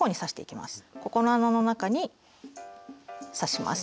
ここの穴の中に刺します。